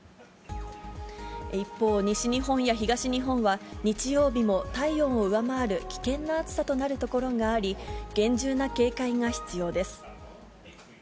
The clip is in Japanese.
一方、西日本や東日本は、日曜日も体温を上回る危険な暑さとなる所があり、厳重な警戒が必要です。